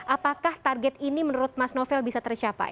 apakah target ini menurut mas novel bisa tercapai